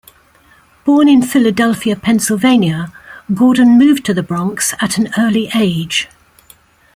Born in Philadelphia, Pennsylvania, Gordon moved to the Bronx at an early age.